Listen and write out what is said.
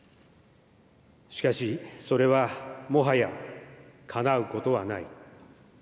しかしそれは、もはやかなうことはない。